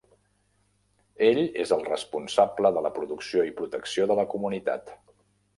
Ell és el responsable de la producció i protecció de la comunitat.